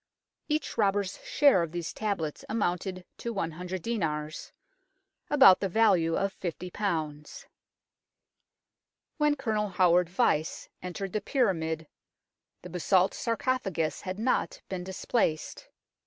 Each robber's share of these tablets amounted to 100 dinars about the value of 50. When Colonel Howard Vyse entered the pyra mid the basalt sarcophagus had not been displaced.